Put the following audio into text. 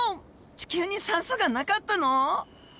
地球に酸素がなかったの？